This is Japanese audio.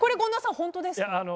本当ですか。